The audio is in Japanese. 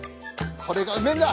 これがうめえんだ。